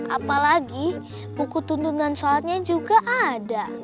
apalagi buku tuntunan soalnya juga ada